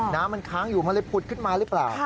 น้ำมันค้างอยู่มันเลยผุดขึ้นมาหรือเปล่า